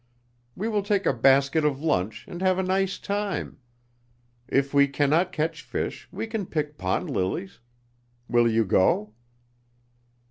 We will take a basket of lunch and have a nice time. If we cannot catch fish we can pick pond lilies. Will you go?"